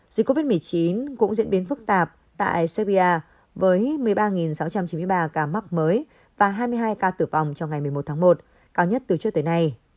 dịch covid một mươi chín cũng diễn biến phức tạp tại serbia với một mươi ba sáu trăm chín mươi ba ca mắc mới và hai mươi hai ca tử vong trong ngày một mươi một tháng một cao nhất từ trước tới nay